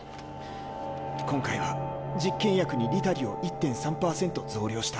今回は実験薬にリタリを１．３％増量した。